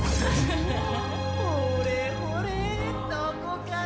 ほれほれどこかな？